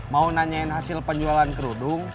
mau nanyain hasil penjualan kerudung